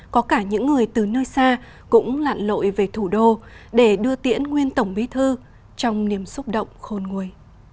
có cả những người từ nơi xa cũng lặn lội về thủ đô để đưa tiễn nguyên tổng bí thư trong niềm xúc động khôn nguồi